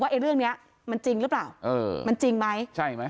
ว่าเรื่องนี้มันจริงหรือเปล่ามันจริงไหม